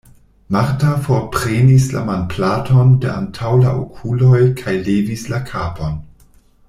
Marta forprenis la manplaton de antaŭ la okuloj kaj levis la kapon.